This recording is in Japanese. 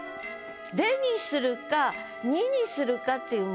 「で」にするか「に」にするかっていう問題を。